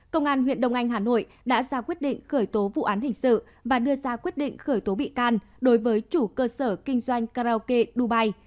công an huyện đông anh hà nội đã ra quyết định khởi tố vụ án hình sự và đưa ra quyết định khởi tố bị can đối với chủ cơ sở kinh doanh karaoke dubai